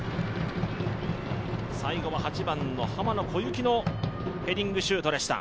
最後は８番の濱野こゆきのヘディングシュートでした。